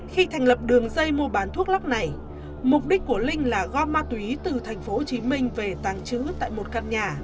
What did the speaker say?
khi thành lập đường dây mua bán thuốc lắc này mục đích của linh là gom ma túy từ thành phố hồ chí minh về tàng trữ tại một căn nhà